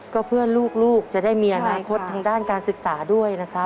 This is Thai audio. ก็เพื่อลูกจะได้มีอนาคตทางด้านการศึกษาด้วยนะครับ